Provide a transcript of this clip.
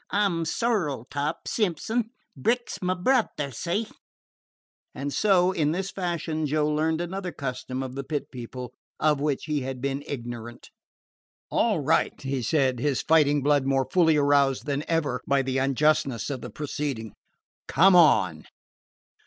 "I 'm 'Sorrel top' Simpson. Brick 's my brother. See?" And so, in this fashion, Joe learned another custom of the Pit People of which he had been ignorant. "All right," he said, his fighting blood more fully aroused than ever by the unjustness of the proceeding. "Come on."